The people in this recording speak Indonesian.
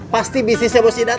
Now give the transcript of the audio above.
pasti bisnisnya bos idan